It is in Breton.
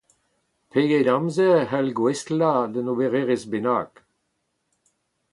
Pegeit amzer a c’hall gouestlañ d’un obererezh bennak ?